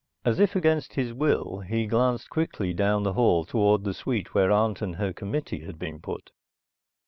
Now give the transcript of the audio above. As if against his will, he glanced quickly down the hall toward the suite where aunt and her committee had been put.